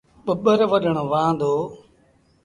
ٻٻر وڍن وهآن دو۔